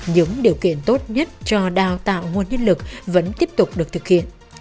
những điều kiện tốt nhất cho đào tạo nguồn nhân lực vẫn tiếp tục được thực hiện